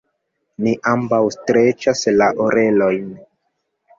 Ni ambaŭ streĉas la orelojn.